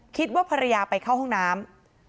คิดว่าภรรยาไปเข้าห้องน้ำ